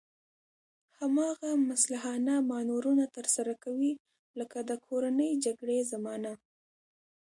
هماغه مسلحانه مانورونه ترسره کوي لکه د کورنۍ جګړې زمانه.